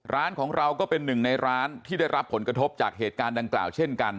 ร้านของเราก็เป็นหนึ่งในร้านที่ได้รับผลกระทบจากเหตุการณ์ดังกล่าวเช่นกัน